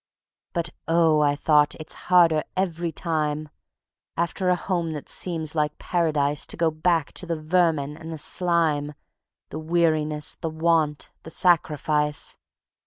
(But oh, I thought, it's harder every time, After a home that seems like Paradise, To go back to the vermin and the slime, The weariness, the want, the sacrifice.